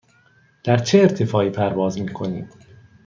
در چه ارتفاعی پرواز می کنیم؟